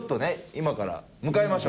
今から向かいましょう。